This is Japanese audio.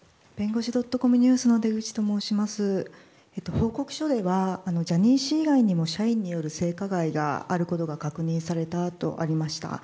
報告書ではジャニー氏以外にも社員による性加害があることが確認されたとありました。